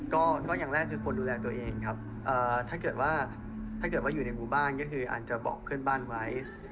ก็อย่างแรกคือคนดูแลตัวเองครับถ้าเกิดว่าอยู่ในกุธบ้านอาจจะบอกเพื่อนบ้านไว้